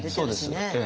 そうです。